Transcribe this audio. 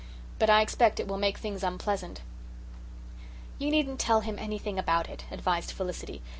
But I expect it will make things unpleasant." "You needn't tell him anything about it," advised Felicity.